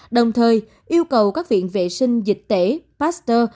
đồng thời yêu cầu các viện vệ sinh dịch tễ pasteur